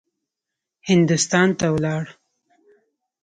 هندوستان ته ولاړ.